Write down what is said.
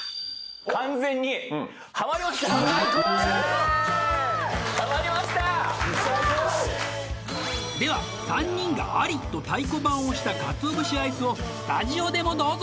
完全にハマりましたわあすごーいハマりましたでは３人がありと太鼓判を押したかつお節アイスをスタジオでもどうぞ！